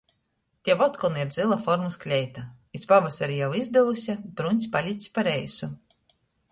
Tev otkon ir zyla formys kleita, iz pavasari jau izdyluse, bruņcs palics par eisu.